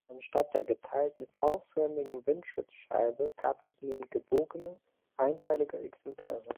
Anstatt der geteilten, V-förmigen Windschutzscheibe gab es nun gebogene, einteilige Exemplare.